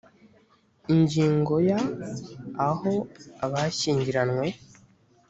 ingingo ya…: aho abashyingiranywe